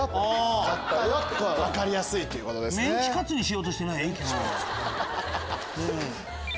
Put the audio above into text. メンチカツにしようとしてない？